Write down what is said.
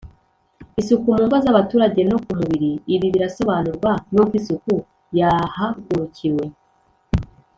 isuku mu ngo z abaturage no ku mubiri Ibi birasobanurwa n uko isuku yahagurukiwe